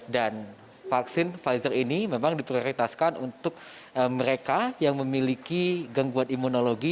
dan vaksin pfizer ini memang diprioritaskan untuk mereka yang memiliki gangguan imunologi